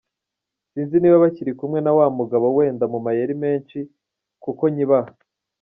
Sinzi niba bakiri kumwe na wa mugabo wenda mu mayeri menshi; kuko nkibaha.